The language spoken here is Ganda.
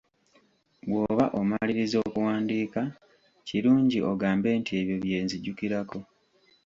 Bw'oba omaliriza okuwandiika kirungi ogambe nti ebyo bye nzijukirako.